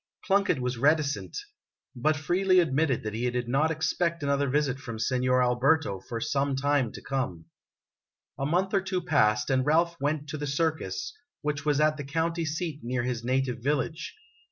Plunkett was reticent ; but freely admitted that he did not expect another visit from Signer Alberto for some time to come. A month or two passed, and Ralph went to the circus, which was at the county seat near his native village.